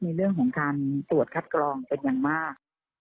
ในเรื่องของการตรวจคัดกรองเป็นอย่างมาก